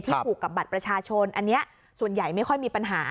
ผูกกับบัตรประชาชนอันนี้ส่วนใหญ่ไม่ค่อยมีปัญหา